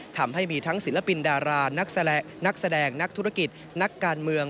ทำให้มีทั้งศิลปินดารานักแสดงนักธุรกิจนักการเมือง